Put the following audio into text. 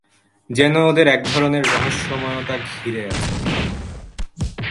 যেন ওদের এক ধরনের রহস্যময়তা ঘিরে আছে।